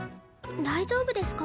大丈夫ですか？